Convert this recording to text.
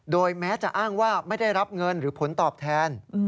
แม้จะอ้างว่าไม่ได้รับเงินหรือผลตอบแทน